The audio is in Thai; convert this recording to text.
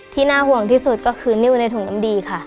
น่าห่วงที่สุดก็คือนิ้วในถุงน้ำดีค่ะ